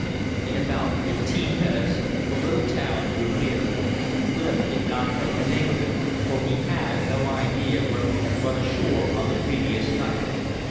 In about fifteen minutes the little town drew near. Clif did not know the name of it, for he had no idea where he had run ashore on the previous night.